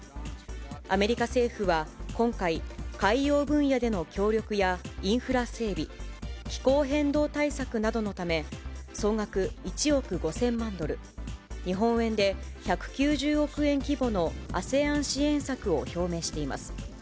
アメリカ政府は今回、海洋分野での協力やインフラ整備、気候変動対策などのため、総額１億５０００万ドル、日本円で１９０億円規模のＡＳＥＡＮ支援策を表明しています。